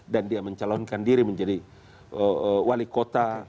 dan dia mencalonkan diri menjadi wali kota